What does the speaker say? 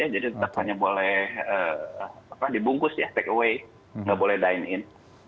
jadi tetap hanya boleh dibungkus ya take away nggak boleh dine in